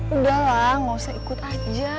udahlah gak usah ikut aja